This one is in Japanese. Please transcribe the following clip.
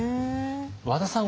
和田さん